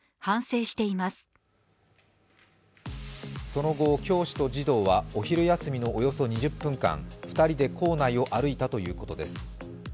その後、教師と児童はお昼休みのおよそ２０分間２人で校内を歩いたということです。